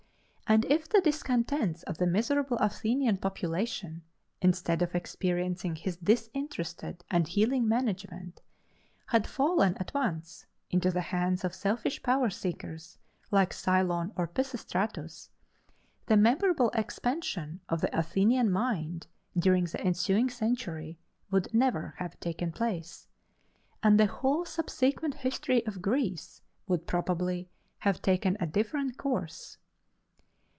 And if the discontents of the miserable Athenian population, instead of experiencing his disinterested and healing management, had fallen at once into the hands of selfish power seekers like Cylon or Pisistratus the memorable expansion of the Athenian mind during the ensuing century would never have taken place, and the whole subsequent history of Greece would probably have taken a different course.